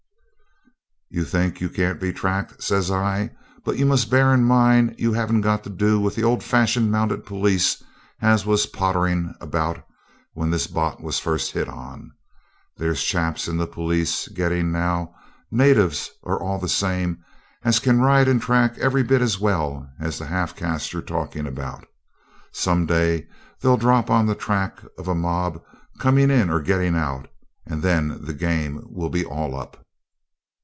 'You think you can't be tracked,' says I, 'but you must bear in mind you haven't got to do with the old fashioned mounted police as was potterin' about when this "bot" was first hit on. There's chaps in the police getting now, natives or all the same, as can ride and track every bit as well as the half caste you're talking about. Some day they'll drop on the track of a mob coming in or getting out, and then the game will be all up.'